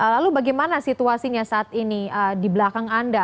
lalu bagaimana situasinya saat ini di belakang anda